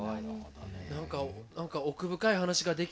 何か何か奥深い話ができてる。